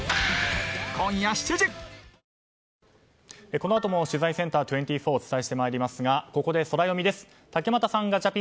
このあとも取材ｃｅｎｔｅｒ２４お伝えしてまいりますがここでソラよみです。